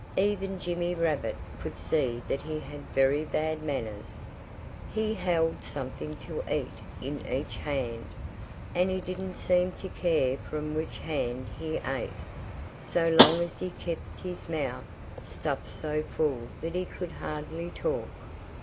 Even Jimmy Rabbit could see that he had very bad manners. He held something to eat in each hand. And he didn't seem to care from which hand he ate, so long as he kept his mouth stuffed so full that he could hardly talk.